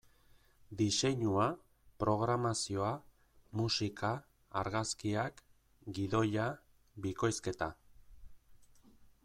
Diseinua, programazioa, musika, argazkiak, gidoia, bikoizketa...